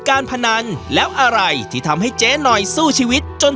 การพนันแล้วอะไรที่ทำให้เจ๊หน่อยสู้ชีวิตจน